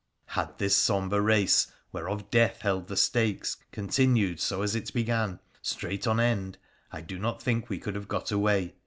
Had this sombre race, whereof Death held the stakes, con tinued so as it began, straight on end, I do not think we could have got away.